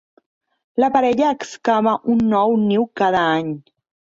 La parella excava un nou niu cada any.